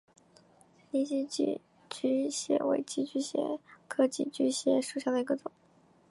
泥栖寄居蟹为寄居蟹科寄居蟹属下的一个种。